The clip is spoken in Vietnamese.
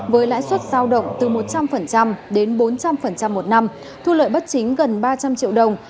với lãi suất giao động từ một trăm linh đến bốn trăm linh một năm thu lợi bất chính gần ba trăm linh triệu đồng